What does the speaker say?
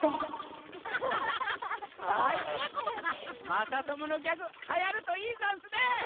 まさとものギャグはやるといいざんすね！